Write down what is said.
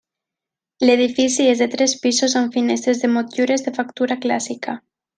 L'edifici és de tres pisos amb finestres de motllures de factura clàssica.